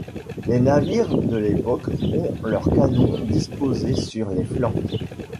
Les navires de l'époque ont leurs canons disposés sur les flancs.